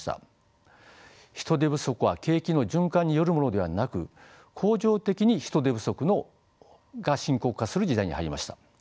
人手不足は景気の循環によるものではなく恒常的に人手不足が深刻化する時代に入りました。